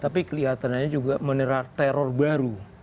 tapi kelihatannya juga menerang teror baru